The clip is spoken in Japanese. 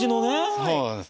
そうなんです。